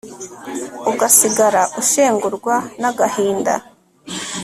ugasigara ushengurwa nagahinda